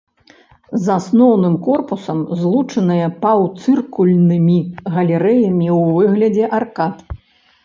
З асноўным корпусам злучаныя паўцыркульнымі галерэямі ў выглядзе аркад.